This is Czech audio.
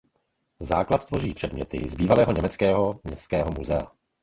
Základ tvoří předměty z bývalého německého městského muzea.